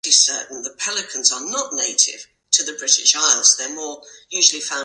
The airport is owned by the Thief River Falls Regional Airport Authority.